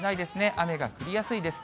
雨が降りやすいです。